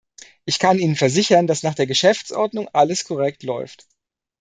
Ich kann Ihnen versichern, dass nach der Geschäftsordnung alles korrekt läuft.